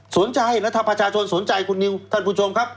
สนใจแล้วถ้าประชาชนสนใจคุณนิวท่านผู้ชมครับ